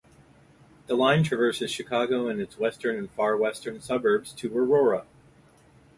The line traverses Chicago and its western and far western suburbs to Aurora.